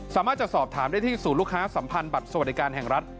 สามารถจะสอบถามได้ที่ศูนย์ลูกค้าสัมพันธ์บัตรสวัสดิการแห่งรัฐ